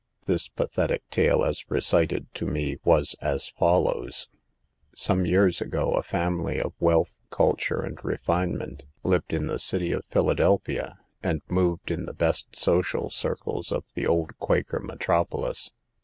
This pathetic tale, as recited to me, was as follows : Some years ago, a family of wealth, culture and refinement lived in the city of Philadel phia, and moved in the best social circles of the old Quaker metropolis.